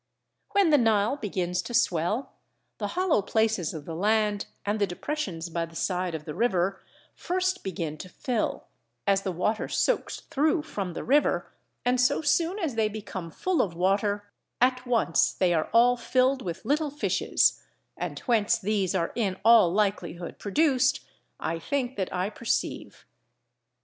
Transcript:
When the Nile begins to swell, the hollow places of the land and the depressions by the side of the river first begin to fill, as the water soaks through from the river, and so soon as they become full of water, at once they are all filled with little fishes; and whence these are in all likelihood produced, I think that I perceive.